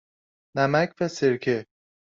نمک و سرکه.